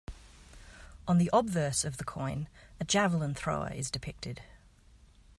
On the obverse of the coin, a javelin thrower is depicted.